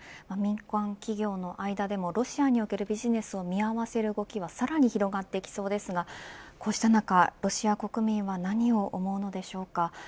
民間企業の間でもロシアにおけるビジネスを見合わせる動きはさらに広がっていきそうですがこうした中ロシア国民は何を思うのでしょうか。